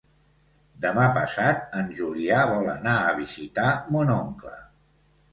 Demà passat en Julià vol anar a visitar mon oncle.